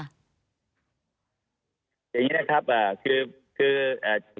อย่างนี้นะครับคือ